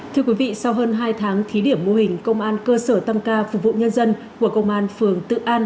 thưa quý vị sau hơn hai tháng thí điểm mô hình công an cơ sở tăng ca phục vụ nhân dân của công an phường tự an